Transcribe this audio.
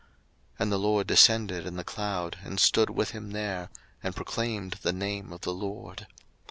02:034:005 And the LORD descended in the cloud, and stood with him there, and proclaimed the name of the LORD.